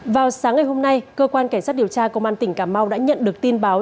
vào sáng ngày hôm nay cơ quan cảnh sát điều tra công an tỉnh cà mau đã nhận được tin báo